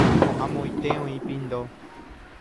Amoite oĩ pindo.